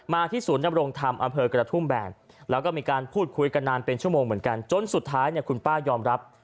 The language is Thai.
ที่ศูนย์ดำรงธรรมอำเภอกระทุ่มแบนแล้วก็มีการพูดคุยกันนานเป็นชั่วโมงเหมือนกันจนสุดท้ายเนี่ยคุณป้ายอมรับ